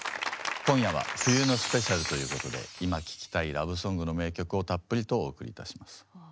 今夜は「冬のスペシャル」ということで今聴きたい「ラブソング」の名曲をたっぷりとお送りいたします。